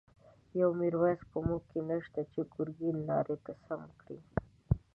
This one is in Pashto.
یو«میرویس» په مونږ کی نشته، چه گرگین لاری ته سم کړی